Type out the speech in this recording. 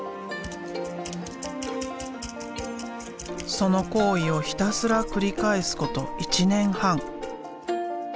その行為をひたすら繰り返すこと１年半。